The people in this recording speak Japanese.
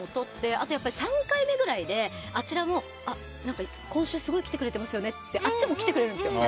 あと３回目ぐらいで、あちらも今週、すごい来てくれてますよねってあっちも来てくれるんです。